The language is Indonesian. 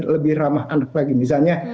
lebih ramah anak lagi misalnya